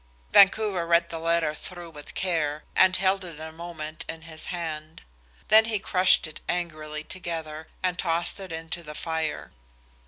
Vancouver read the letter through with care, and held it a moment in his hand. Then he crushed it angrily together and tossed it into the fire.